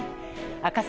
赤坂